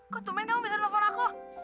kok temen kamu bisa nelfon aku